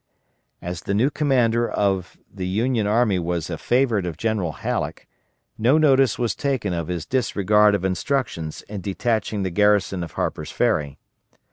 As the new commander of the Union army was a favorite of General Halleck, no notice was taken of his disregard of instructions in detaching the garrison of Harper's Ferry.